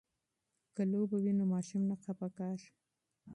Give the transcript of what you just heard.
که لوبه وي نو ماشوم نه خفه کیږي.